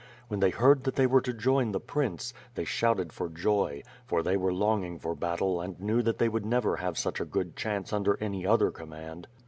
When they heard that they were to join the prince, they shouted for joy; for they were longing for battle and knew that they would never have such a good chance under any other command.